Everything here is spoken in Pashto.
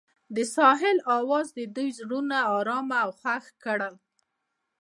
د ساحل اواز د دوی زړونه ارامه او خوښ کړل.